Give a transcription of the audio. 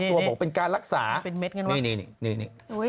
บอกเป็นการรักษานี่นี่โอ้โฮเป็นเม็ดงั้นวะ